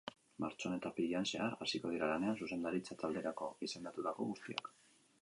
Martxoan eta apirilean zehar hasiko dira lanean zuzendaritza talderako izendatutako guztiak.